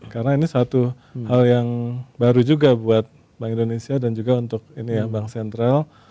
karena ini satu hal yang baru juga buat bank indonesia dan juga untuk bank sentral